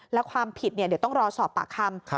และความผิดเดี๋ยวต้องรอสอบปากคำ